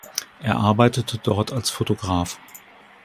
Er arbeitete dort als Fotograf.